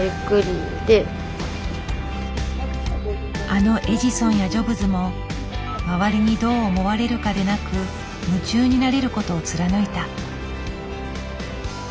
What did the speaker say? あのエジソンやジョブズも周りにどう思われるかでなく夢中になれることを貫いた。